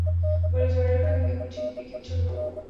বলে, জ্বর এল নাকি, দেখুন দিকি ছোটবাবু।